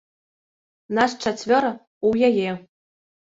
Нас чацвёра ў яе.